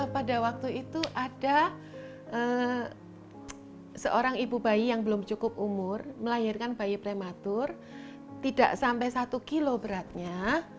pada waktu itu ada seorang ibu bayi yang belum cukup umur melahirkan bayi prematur tidak sampai satu kilo beratnya